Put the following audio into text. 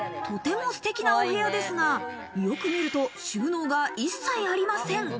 とてもステキなお部屋ですが、よく見ると収納が一切ありません。